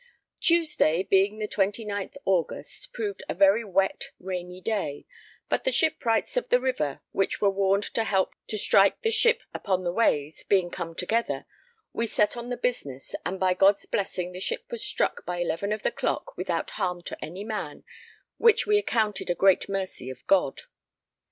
Tuesday, being the 29th August, proved a very wet, rainy day, but the shipwrights of the river, which were warned to help to strike the ship upon the ways, being come together, we set on the business, and by God's blessing the ship was struck by eleven of the clock without harm to any man, which we accounted a great mercy of God.